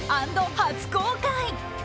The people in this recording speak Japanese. ＆初公開。